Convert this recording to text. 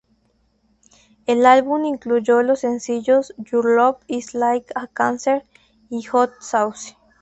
El álbum incluyó los sencillos "Your Love Is Like a Cancer" y "Hot Sauce".